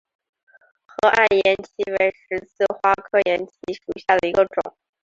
河岸岩荠为十字花科岩荠属下的一个种。